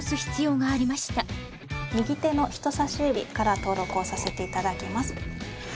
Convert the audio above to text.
右手の人さし指から登録をさせていただきます。